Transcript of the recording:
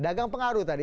dagang pengaruh tadi